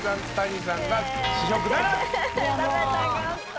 食べたかった。